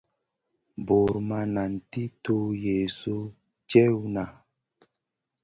Bur ma nan ti tuw Yezu jewna.